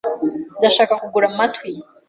Ndashaka kugura amatwi.